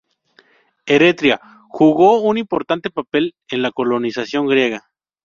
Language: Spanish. Eretria jugó un importante papel en la colonización griega.